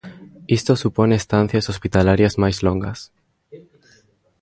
Isto supón estancias hospitalarias máis longas.